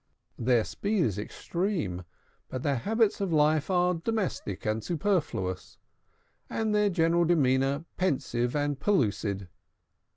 Their speed is extreme; but their habits of life are domestic and superfluous, and their general demeanor pensive and pellucid.